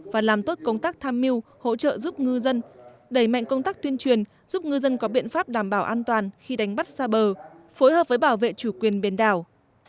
và làm tốt công tác tham mưu hỗ trợ giúp ngư dân đẩy mạnh công tác tuyên truyền giúp ngư dân có biện pháp đảm bảo an toàn khi đánh bắt xa bờ phối hợp với bảo vệ chủ quyền biển đảo